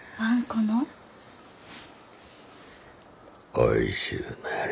おいしゅうなれ。